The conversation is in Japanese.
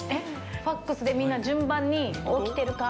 ファックスでみんな順番に起きているか？